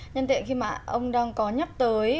nhân tiện khi mà ông đang có nhắc tới